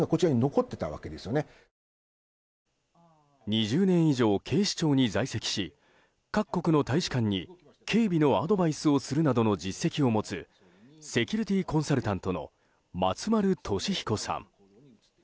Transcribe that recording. ２０年以上、警視庁に在籍し各国の大使館に警備のアドバイスをするなどの実績を持つセキュリティーコンサルタントの松丸俊彦さん。